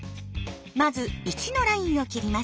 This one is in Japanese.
まず１のラインを切ります。